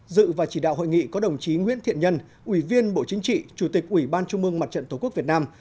dự và chỉ đạo hội nghị có đồng chí nguyễn thiện nhân ủy viên bộ chính trị chủ tịch ủy ban trung mương mặt trận tổ quốc việt nam